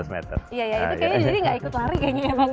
iya ya itu kayaknya jadi nggak ikut lari kayaknya ya bang